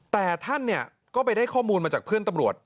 แต่ท่านเนี่ยก็ไปได้ข้อมูลมาจากเพื่อนตำรวจ